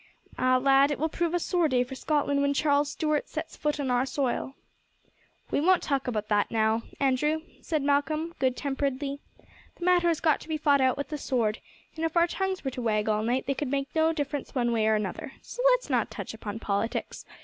Ah, lad, it will prove a sore day for Scotland when Charles Stuart set foot on our soil!" "We won't talk about that now, Andrew," Malcolm said good temperedly. "The matter has got to be fought out with the sword, and if our tongues were to wag all night they could make no difference one way or another. So let us not touch upon politics.